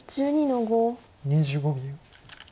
２５秒。